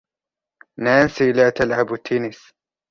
نانسي لا تلعب التنس.